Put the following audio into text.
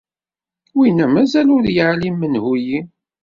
Winna mazal ur yeεlim menhu-yi.